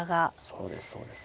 そうですそうです。